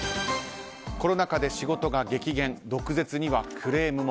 コロナ禍で仕事が激減毒舌にはクレームも。